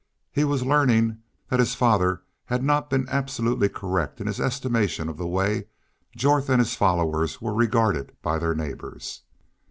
He was learning that his father had not been absolutely correct in his estimation of the way Jorth and his followers were regarded by their neighbors.